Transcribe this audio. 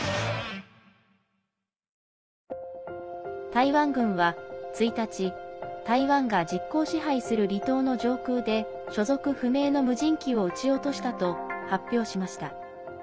台湾軍は１日台湾が実効支配する離島の上空で所属不明の無人機を撃ち落としたと発表しました。